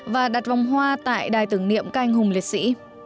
và đặt vòng hoa tại đài tưởng niệm canh hùng liệt sĩ